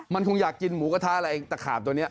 มันคงอยากกินหมูกระทะอะไรตะขาบตัวนี้